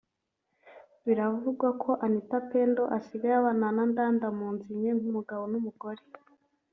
Biravugwa ko Anita Pendo asigaye abana na Ndanda mu nzu imwe nk’umugabo n’umugore